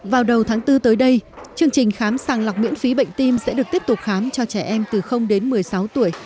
vào đầu tháng bốn tới đây chương trình khám sàng lọc miễn phí bệnh tim sẽ được tiếp tục khám cho trẻ em từ đến một mươi sáu tuổi